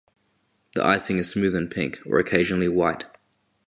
The icing is smooth and pink, or occasionally white.